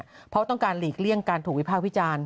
เพราะต้องการหลีกเลี่ยงการถูกวิพากษ์วิจารณ์